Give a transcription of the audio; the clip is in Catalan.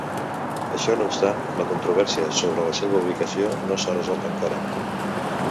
Això no obstant, la controvèrsia sobre la seva ubicació no s'ha resolt encara.